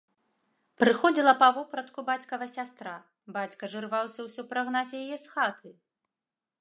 Прыходзіла па вопратку бацькава сястра, бацька ж ірваўся ўсё прагнаць яе з хаты.